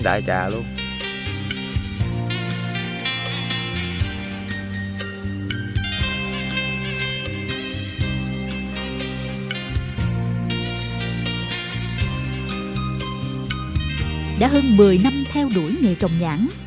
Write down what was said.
đã hơn một mươi năm theo đuổi nghề trồng nhãn